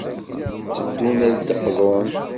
Tteddun ad d-qḍun.